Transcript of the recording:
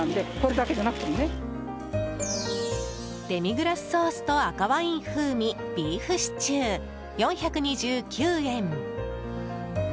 デミグラスソースと赤ワイン風味ビーフシチュー４２９円。